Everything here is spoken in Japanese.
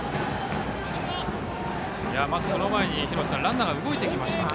まず、その前に廣瀬さんランナーが動いてきましたね。